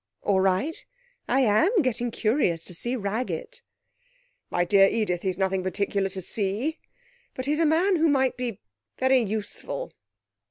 'All right. I am getting curious to see Raggett!' 'My dear Edith, he's nothing particular to see, but he's a man who might be very useful.'